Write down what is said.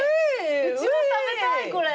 うちも食べたいこれ。